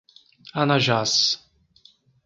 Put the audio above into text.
Anajás